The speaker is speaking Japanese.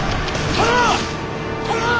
殿！